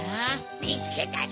・みつけたぞ！